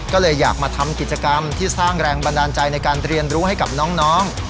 ก็เลยอยากมาทำกิจกรรมที่สร้างแรงบันดาลใจในการเรียนรู้ให้กับน้อง